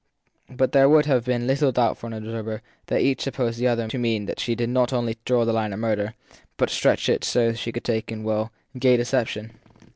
But there would have been little doubt for an observer that each supposed the other to mean that she not only didn t draw the line at murder, but stretched it so as to take in well, gay deception.